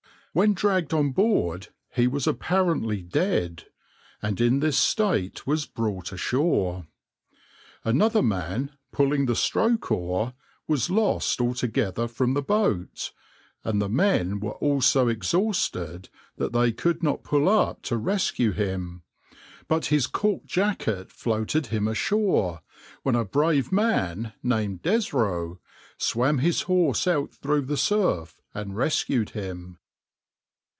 When dragged on board, he was apparently dead, and in this state was brought ashore. Another man, pulling the stroke oar, was lost altogether from the boat, and the men were all so exhausted that they could not pull up to rescue him; but his cork jacket floated him ashore, when a brave man, named Desreaux, swam his horse out through the surf and rescued him.